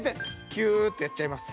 キュってやっちゃいます